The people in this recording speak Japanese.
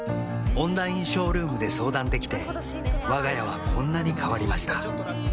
オンラインショールームで相談できてわが家はこんなに変わりました